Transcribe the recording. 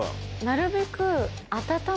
なるべく。